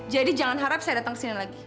jadi jangan harap saya datang kesini lagi